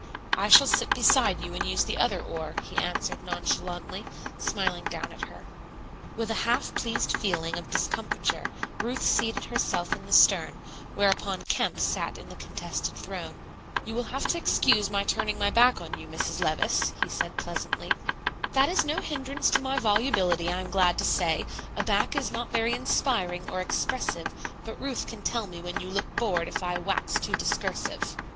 "I shall sit beside you and use the other oar," he answered nonchalantly, smiling down at her. With a half pleased feeling of discomfiture Ruth seated herself in the stern, whereupon Kemp sat in the contested throne. "You will have to excuse my turning my back on you, Mrs. Levice," he said pleasantly. "That is no hindrance to my volubility, I am glad to say; a back is not very inspiring or expressive, but Ruth can tell me when you look bored if I wax too discursive."